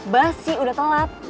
bas sih udah telat